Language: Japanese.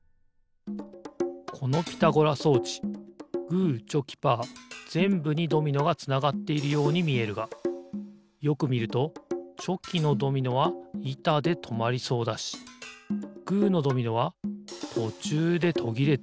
このピタゴラ装置グーチョキパーぜんぶにドミノがつながっているようにみえるがよくみるとチョキのドミノはいたでとまりそうだしグーのドミノはとちゅうでとぎれている。